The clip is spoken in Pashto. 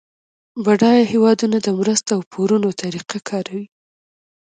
بډایه هیوادونه د مرستو او پورونو طریقه کاروي